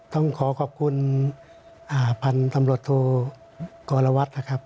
ต้องขอขอบคุณอาหารธรรมดโทกรวัตรนะครับ